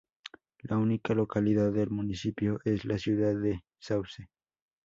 La única localidad del municipio es la ciudad de Sauce.